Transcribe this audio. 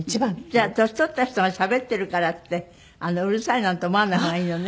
じゃあ年取った人がしゃべってるからってうるさいなんて思わない方がいいのね。